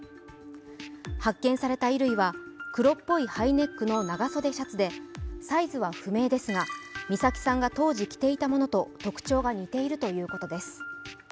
発見された衣類は黒っぽいハイネックの長袖シャツでサイズは不明ですが美咲さんが当時着ていたものと特徴が似ているということです。